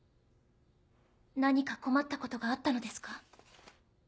何か困ったことがあったのですか？